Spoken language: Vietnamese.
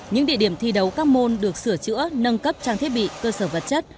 những địa điểm thi đấu các môn được sửa chữa nâng cấp trang thiết bị cơ sở vật chất